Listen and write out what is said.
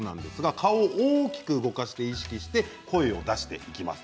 顔を大きく動かすことを意識して声を出していきます。